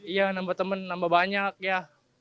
iya nambah temen nambah banyak ya